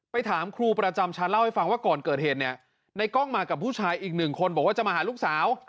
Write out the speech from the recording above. ถามครูประจำชั้นเล่าให้ฟังว่าก่อนเกิดเหตุเนี่ยในกล้องมากับผู้ชายอีกหนึ่งคนบอกว่าจะมาหาลูกสาว